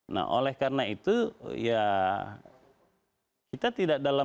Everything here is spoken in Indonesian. nah oleh karena itu ya